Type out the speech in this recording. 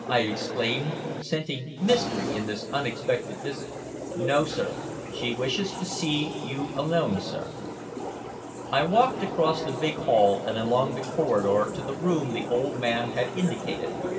I exclaimed, scenting mystery in this unexpected visit. "No, sir. She wishes to see you alone, sir." I walked across the big hall and along the corridor to the room the old man had indicated.